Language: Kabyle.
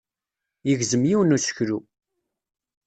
Yegzem yiwen n useklu.